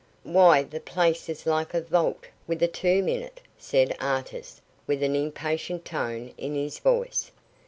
"Why the place is like a vault with a tomb in it," said Artis, with an impatient tone in his voice.